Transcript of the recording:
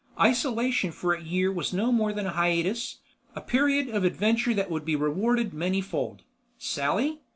Isolation for a year was no more than a hiatus, a period of adventure that would be rewarded many fold. Sally?